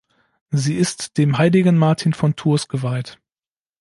Sie ist dem heiligen Martin von Tours geweiht.